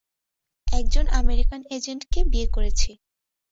একজন আমেরিকান এজেন্টকে বিয়ে করেছি।